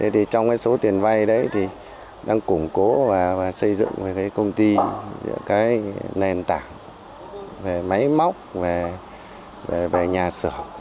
trong số tiền vay đang củng cố và xây dựng công ty nền tảng máy móc nhà sửa